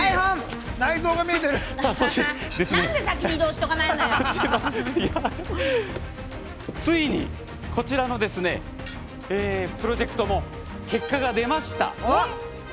そして、ついにこちらのプロジェクトも結果が出ました。